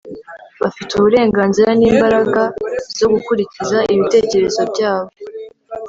bafite uburenganzira nimbaraga zo gukurikiza ibitekerezo byabo